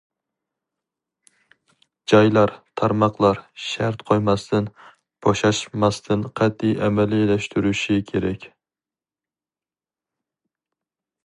جايلار، تارماقلار شەرت قويماستىن، بوشاشماستىن قەتئىي ئەمەلىيلەشتۈرۈشى كېرەك.